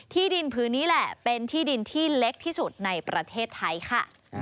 ที่ดินพื้นนี้แหละเป็นที่ดินที่เล็กที่สุดในประเทศไทยค่ะ